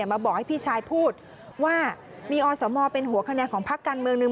มาบอกให้พี่ชายพูดว่ามีอสมเป็นหัวคะแนนของพักการเมืองหนึ่ง